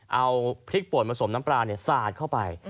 เอาพลิกป่นผสมน้ำปลาเนี่ยซาดเข้าไป